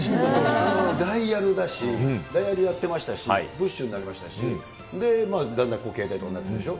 ダイヤルだし、ダイヤルやってましたし、プッシュになりましたし、で、だんだん携帯とかになってくんでしょ。